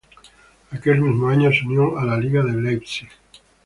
Aquel mismo año, se unió a la Liga de Leipzig.